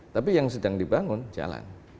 tapi yang sedang dibangun jalan